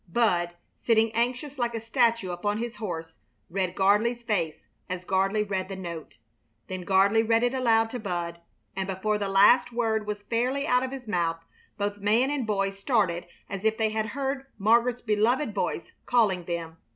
Bud, sitting anxious like a statue upon his horse, read Gardley's face as Gardley read the note. Then Gardley read it aloud to Bud, and before the last word was fairly out of his mouth both man and boy started as if they had heard Margaret's beloved voice calling them.